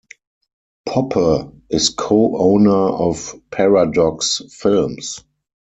Poppe is co-owner of Paradox Films.